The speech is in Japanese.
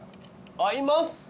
合います！